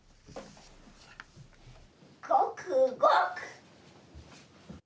ごくごく。